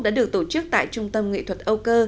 đã được tổ chức tại trung tâm nghệ thuật âu cơ